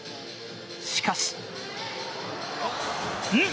しかし。